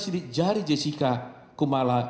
sidik jari jessica kumala